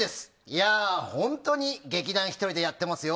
いや、本当に劇団ひとりでやってますよ。